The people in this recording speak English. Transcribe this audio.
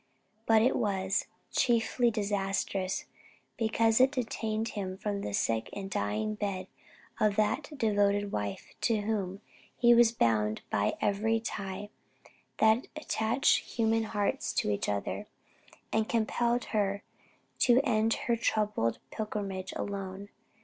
But it was chiefly disastrous because it detained him from the sick and dying bed of that devoted wife to whom he was bound by every tie that can attach human hearts to each other; and compelled her to end her troubled pilgrimage alone.